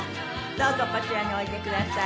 どうぞこちらにおいでください。